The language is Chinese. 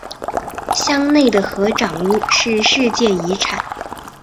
乡内的合掌屋是世界遗产。